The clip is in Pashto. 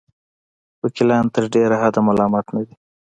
وکیلان تر ډېره حده ملامت نه دي.